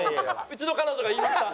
うちの彼女が言いました。